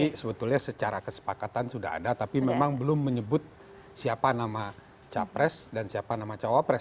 jadi sebetulnya secara kesepakatan sudah ada tapi memang belum menyebut siapa nama capres dan siapa nama cawapres